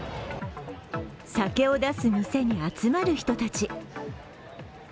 酒を出す店に集まる人たち。